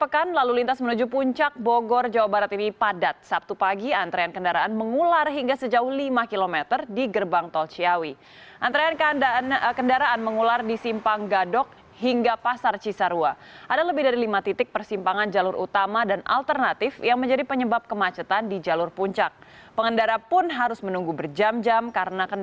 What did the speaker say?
kepadatan di dalam ruas tol cikampek